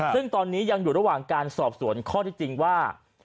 ซึ่งตอนนี้ยังอยู่ระหว่างการสอบสวนข้อที่จริงว่า